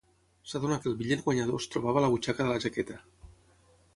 S'adona que el bitllet guanyador es trobava a la butxaca de la jaqueta.